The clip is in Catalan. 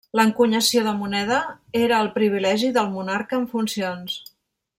L'encunyació de moneda era el privilegi del monarca en funcions.